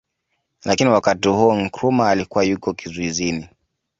Lakini wakati huo Nkrumah alikuwa yuko kizuizini